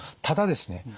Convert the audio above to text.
ただですね